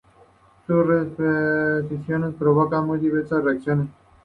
Sus reinterpretaciones provocaron muy diversas reacciones.